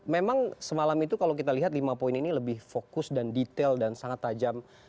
memang semalam itu kalau kita lihat lima poin ini lebih fokus dan detail dan sangat tajam